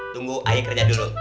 tunggu ayah kerja dulu